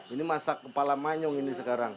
ini masak kepala manyung ini sekarang